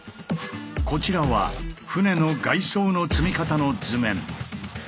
こちらは船の外装の積み方の図面。